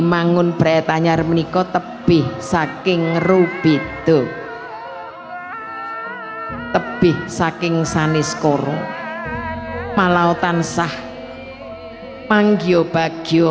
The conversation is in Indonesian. manggun beretanya menikot tepi saking rubit tuh tepi saking sani skoro malautan sah manggio baggio